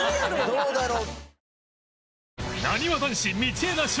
どうだろう？